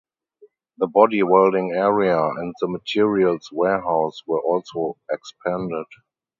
The body welding area and the materials warehouse were also expanded.